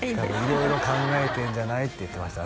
色々考えてんじゃないって言ってました